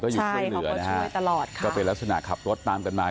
ก็อยู่ข้างเหนือนะคะค่ะค่ะเป็นลักษณะขับรถตามกันมา